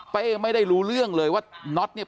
ไม่ได้รู้เรื่องเลยว่าน็อตเนี่ย